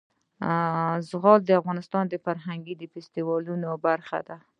زغال د افغانستان د فرهنګي فستیوالونو برخه ده.